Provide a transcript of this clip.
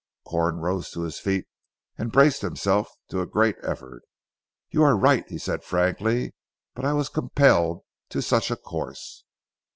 Corn rose to his feet and braced himself to a great effort. "You are right," he said frankly, "but I was compelled to such a course."